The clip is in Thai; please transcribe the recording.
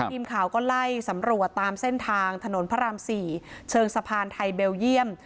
ทีมข่าวก็ไล่สำรวจตามเส้นทางถนนพระราม๔เชิงสะพานไทยเบลเยี่ยม